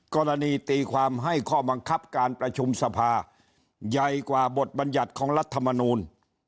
กรณีตีความให้ข้อบังคับการประชุมสภาใหญ่กว่าบทบัญญัติของรัฐมนูล